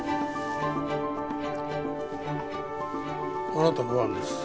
あなたの番です。